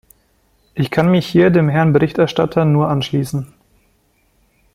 Ich kann mich hier dem Herrn Berichterstatter nur anschließen.